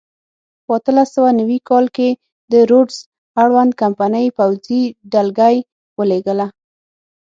په اتلس سوه نوي کال کې د روډز اړوند کمپنۍ پوځي ډلګۍ ولېږله.